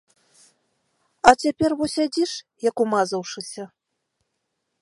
А цяпер во сядзіш, як умазаўшыся!